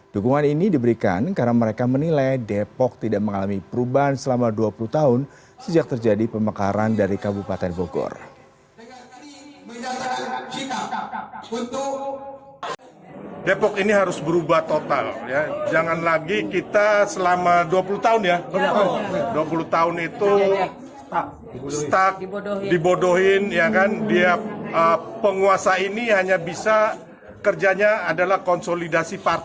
dukungan ini diberikan karena mereka menilai depok tidak mengalami perubahan selama dua puluh tahun sejak terjadi pemekaran dari kabupaten bogor